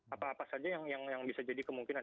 apa apa saja yang bisa jadi kemungkinan